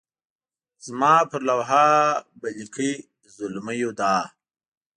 زما پر لوحه به لیکئ زلمیو دا.